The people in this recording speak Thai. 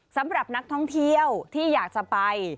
สำหรับนักท่องเที่ยวที่อยากจะไป